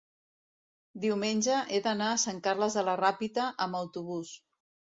diumenge he d'anar a Sant Carles de la Ràpita amb autobús.